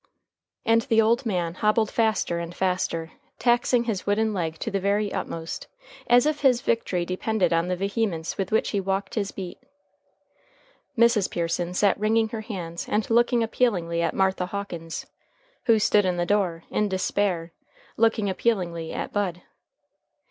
And the old man hobbled faster and faster, taxing his wooden leg to the very utmost, as if his victory depended on the vehemence with which he walked his beat. Mrs. Pearson sat wringing her hands and looking appealingly at Martha Hawkins, who stood in the door, in despair, looking appealingly at Bud.